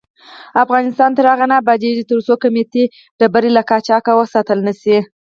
افغانستان تر هغو نه ابادیږي، ترڅو قیمتي تیږې له قاچاق وساتل نشي.